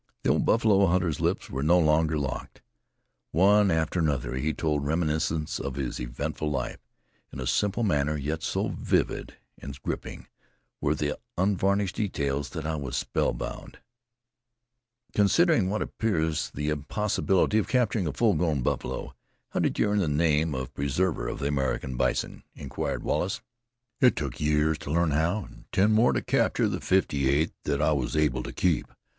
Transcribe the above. The old buffalo hunter's lips were no longer locked. One after another he told reminiscences of his eventful life, in a simple manner; yet so vivid and gripping were the unvarnished details that I was spellbound. "Considering what appears the impossibility of capturing a full grown buffalo, how did you earn the name of preserver of the American bison?" inquired Wallace. "It took years to learn how, and ten more to capture the fifty eight that I was able to keep.